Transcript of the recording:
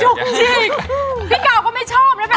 จุกจิกพี่เก่าก็ไม่ชอบแบบนี้